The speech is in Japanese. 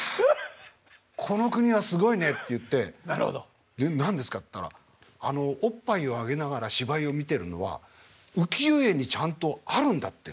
この国はすごいね」って言って「何ですか？」って言ったらおっぱいをあげながら芝居を見てるのは浮世絵にちゃんとあるんだって。